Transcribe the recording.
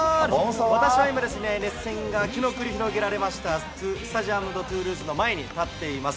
私は今熱戦が昨日繰り広げられましたスタジアム・ド・トゥールーズの前に立っています。